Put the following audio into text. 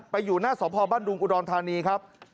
อยู่หน้าสพบ้านดุงอุดรธานีครับ